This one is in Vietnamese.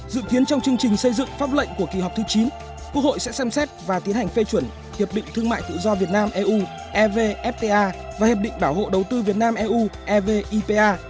dự kiến trong chương trình xây dựng pháp lệnh của kỳ họp thứ chín quốc hội sẽ xem xét và tiến hành phê chuẩn hiệp định thương mại tự do việt nam eu evfta và hiệp định bảo hộ đầu tư việt nam eu evipa